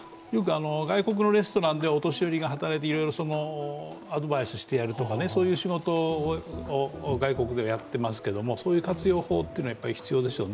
外国のレストランでお年寄りが働いていろいろアドバイスする、そういう仕事を外国ではやっていますけども、そういう活用法は必要でしょうね。